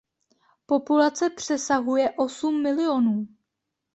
Populace přesahuje osm milionů.